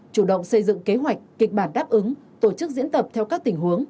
chủ động xây dựng kế hoạch kịch bản đáp ứng tổ chức diễn tập theo các tình huống